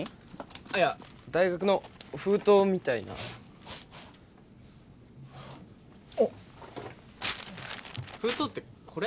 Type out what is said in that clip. ああいや大学の封筒みたいなあっ封筒ってこれ？